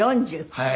はい。